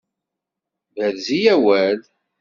Berz-iyi awal!